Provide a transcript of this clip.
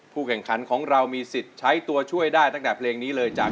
แข่งขันของเรามีสิทธิ์ใช้ตัวช่วยได้ตั้งแต่เพลงนี้เลยจาก